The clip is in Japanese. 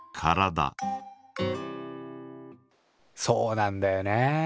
そうなんだよね